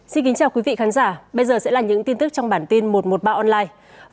xin kính chào quý vị khán giả bây giờ sẽ là những tin tức trong bản tin một trăm một mươi ba online